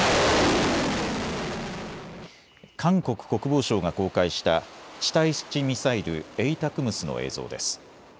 韓国国防省が公開した地対地ミサイル、ＡＴＡＣＭＳの映像です。